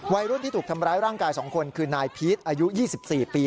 วัยรุ่นที่ถูกทำร้ายร่างกาย๒คนคือนายพีชอายุ๒๔ปี